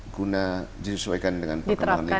guna disesuaikan dengan perkembangan lingkungan